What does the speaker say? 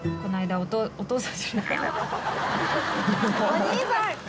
お兄さん。